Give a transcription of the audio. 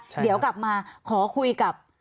ใช่ไหมคะเดี๋ยวกลับมาขอคุยกับ